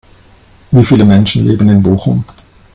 Wie viele Menschen leben in Bochum?